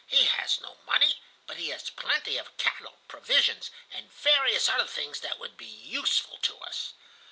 He has no money, but he has plenty of cattle, provisions, and various other things that would be useful to us."